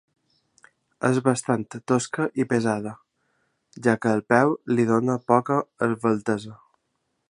És bastant tosca i pesada, ja que el peu li dóna poca esveltesa.